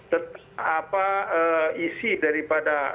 tentang apa isi dari badan pengawas